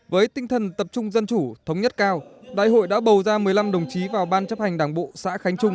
với tinh thần tập trung dân chủ thống nhất cao đại hội đã bầu ra một mươi năm đồng chí vào ban chấp hành đảng bộ xã khánh trung